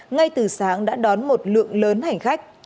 ngay từ sáng đã đón một lượng lớn hành khách